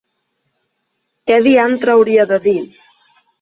Què diantre hauria de dir?